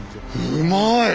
うまい！